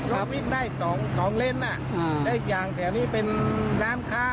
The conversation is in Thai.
ถนนมีแคบนิดเดียวรถวิ่งได้๒เลนละและอีกอย่างแถวนี้เป็นร้านค้า